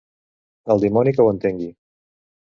El dimoni que ho entengui.